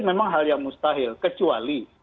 memang hal yang mustahil kecuali